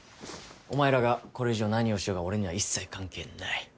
お前らがこれ以上何をしようが俺には一切関係ない。